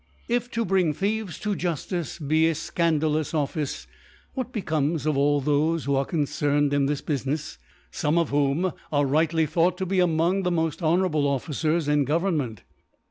If to bring Thieves to Juftice be a fcan dalous Office, what becomes of all thofe who are concerned ift this Bufinefs, fome of whom are rightly thought to be among the tnoft honourable Officers in Government?